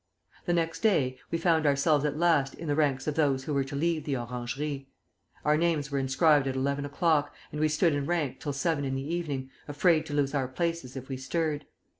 "The next day we found ourselves at last in the ranks of those who were to leave the orangerie. Our names were inscribed at eleven o'clock, and we stood in rank till seven in the evening, afraid to lose our places if we stirred.